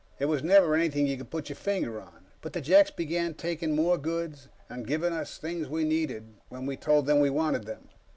It was never anything you could put your finger on, but the Jeks began taking more goods, and giving us things we needed when we told them we wanted them.